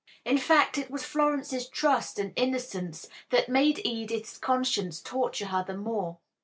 In fact, it was Florence's trust and innocence that made Edith's conscience torture her the more.